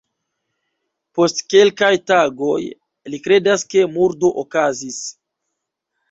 Post kelkaj tagoj, li kredas ke murdo okazis.